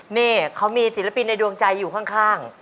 นี่เขามีศิลปินในดวงใจอยู่ข้าง